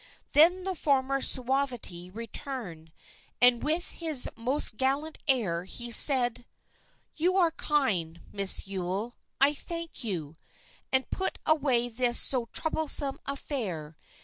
Then the former suavity returned, and with his most gallant air he said "You are kind, Miss Yule; I thank you, and put away this so troublesome affair.